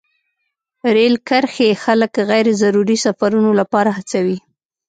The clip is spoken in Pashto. رېل کرښې خلک غیر ضروري سفرونو لپاره هڅوي.